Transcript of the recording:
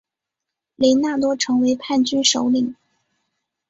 雷纳多成为叛军首领。